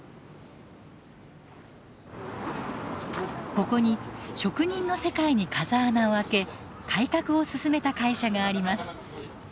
ここに職人の世界に風穴を開け改革を進めた会社があります。